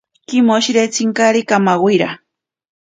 Kimoshiritsinkari kamawira.